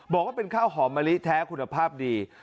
บอกว่าเป็นข้าวหอมมะลิแท้คุณภาพดี